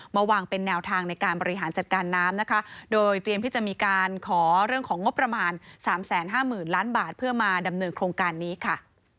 มาวางเป็นแนวทางในการบริหารจัดการน้ำนะคะโดยเตรียมที่จะมีการขอเรื่องของงบประมาณ๓๕๐๐๐ล้านบาทเพื่อมาดำเนินโครงการนี้ค่ะ